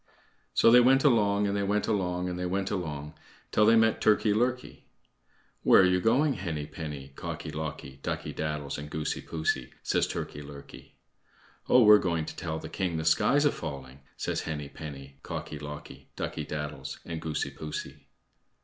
So they went along, and they went along, and they went along till they met Turkey lurkey. "Where are you going, Henny penny, Cocky locky, Ducky daddles, and Goosey poosey?" says Turkey lurkey. "Oh! we're going to tell the king the sky's a falling," says Henny penny, Cocky locky, Ducky daddles, and Goosey poosey.